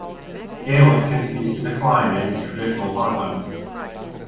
Gaelic continues to decline in its traditional heartland.